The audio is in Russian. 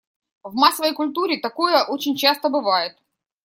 В массовой культуре такое очень часто бывает.